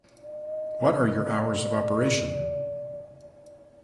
What are your hours of operation?